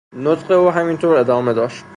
نطق او همینطور ادامه داشت.